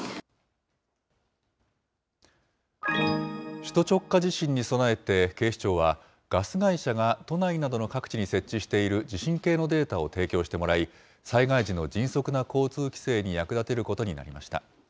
首都直下地震に備えて警視庁は、ガス会社が都内などの各地に設置している地震計のデータを提供してもらい、災害時の迅速な交通規制に役立てることになりました。